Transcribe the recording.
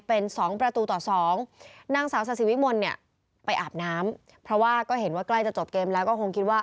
เพราะว่าก็เห็นว่ากล้ายจะจบเกมแล้วก็คงคิดว่า